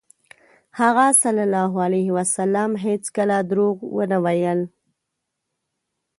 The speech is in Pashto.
هغه ﷺ هېڅکله دروغ ونه ویل.